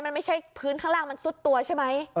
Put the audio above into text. มันไม่ใช่พื้นข้างล่างมันซุดตัวใช่ไหม